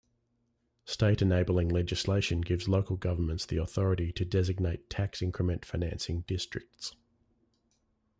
State enabling legislation gives local governments the authority to designate tax increment financing districts.